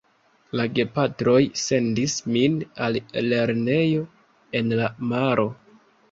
La gepatroj sendis min al lernejo en la maro.